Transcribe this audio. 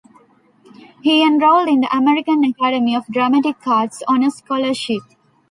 He enrolled in the American Academy of Dramatic Arts on a scholarship.